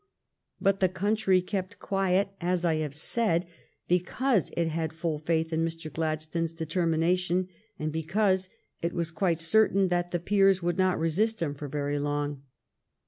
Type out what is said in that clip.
But the country kept quiet, as I have said, because it had full faith in Mr. Gladstone's determination, and because it was quite certain that the peers would not resist him for very long.